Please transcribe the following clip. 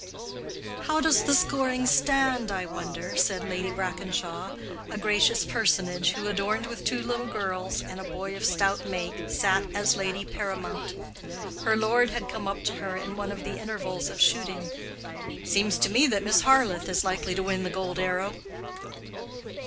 "How does the scoring stand, I wonder?" said Lady Brackenshaw, a gracious personage who, adorned with two little girls and a boy of stout make, sat as lady paramount. Her lord had come up to her in one of the intervals of shooting. "It seems to me that Miss Harleth is likely to win the gold arrow."